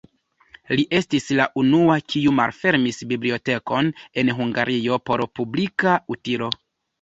Li estis la unua, kiu malfermis bibliotekon en Hungario por publika utilo.